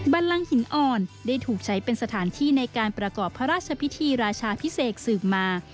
บันลังหินอ่อนได้ถูกใช้เป็นสถานที่ในการประกอบพระราชพิธีราชาพิเศษสืบมา